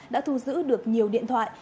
đã thu giữ được nhiều điện thoại